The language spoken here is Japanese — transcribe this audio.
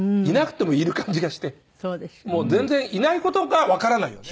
もう全然いない事がわからないよね。